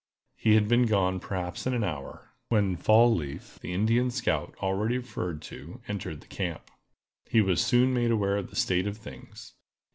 He had been gone perhaps an hour, when Fall leaf, the Indian scout already referred to, entered the camp. He was soon made aware of the state of things.